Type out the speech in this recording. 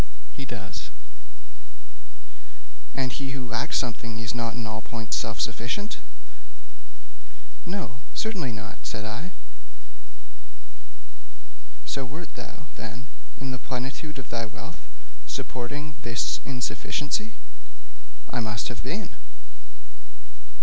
'He does.' 'And he who lacks something is not in all points self sufficing?' 'No; certainly not,' said I. 'So wert thou, then, in the plenitude of thy wealth, supporting this insufficiency?' 'I must have been.'